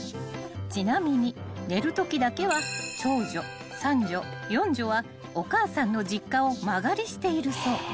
［ちなみに寝るときだけは長女三女四女はお母さんの実家を間借りしているそう］